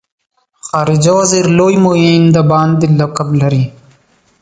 خارجه وزیر لوی معین د باندې لقب لري.